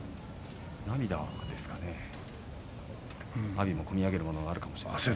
阿炎にも込み上げるものがあるかもしれません。